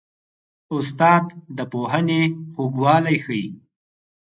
استاد د پوهنې خوږوالی ښيي.